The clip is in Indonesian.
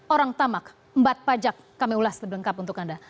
orang tamak mbat pajak kami ulas terlengkap untuk anda